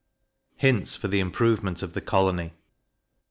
Hints for the Improvement of the Colony.